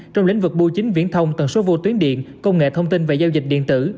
trong lĩnh vực bưu chính viễn thông tần số vô tuyến điện công nghệ thông tin và giao dịch điện tử